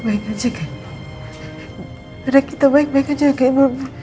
pasti baik baik aja kan